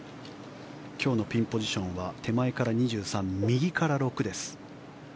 今日のピンポジションは手前から２３右から６です。